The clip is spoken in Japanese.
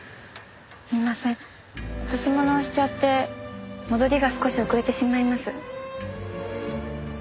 すみません落とし物をしちゃって戻りが少し遅れてしまいます。